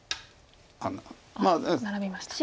あっナラびました。